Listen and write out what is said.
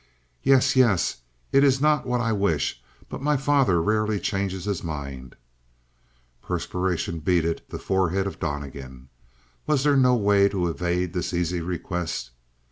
"Yes, yes It is not what I wish but my father rarely changes his mind." Perspiration beaded the forehead of Donnegan. Was there no way to evade this easy request?